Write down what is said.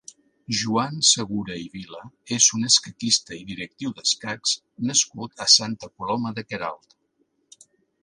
Joan Segura i Vila és un escaquista i directiu d'escacs nascut a Santa Coloma de Queralt.